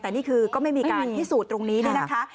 แต่นี่คือก็ไม่มีการที่สูตรตรงนี้นะคะ